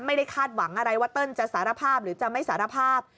คาดหวังอะไรว่าเติ้ลจะสารภาพหรือจะไม่สารภาพ